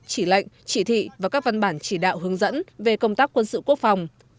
chỉ lệnh chỉ thị và các văn bản chỉ đạo hướng dẫn về công tác quân sự quốc phòng